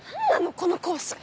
このコース。